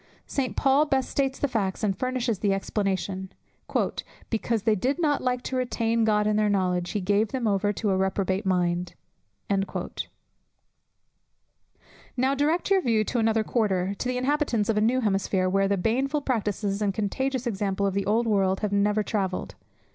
St. Paul best states the facts, and furnishes the explanation; "because they did not like to retain God in their knowledge, he gave them over to a reprobate mind." Now direct your view to another quarter, to the inhabitants of a new hemisphere, where the baneful practices and contagious example of the old world had never travelled.